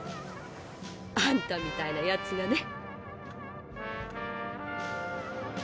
あんたみたいなやつがね。